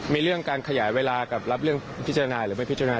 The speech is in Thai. มีเรื่องการขยายเวลากับรับเรื่องพิจารณาหรือไม่พิจารณา